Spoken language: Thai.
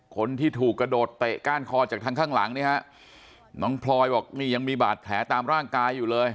คนที่ถูกกระโดดเตะก้านคอจากทางข้างหลังเนี่ยฮะน้องพลอยบอกนี่ยังมีบาดแผลตามร่างกายอยู่เลย